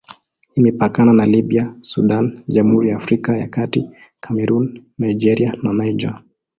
Imepakana na Libya, Sudan, Jamhuri ya Afrika ya Kati, Kamerun, Nigeria na Niger.